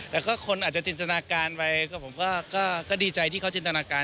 แล้วก็คนอาจจะจินตนาการไว้ผมก็ดีใจที่เขาจินตนาการ